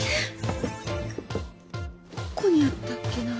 どこにあったっけな？